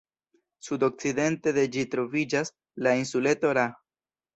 Sudokcidente de ĝi troviĝas la insuleto Ra.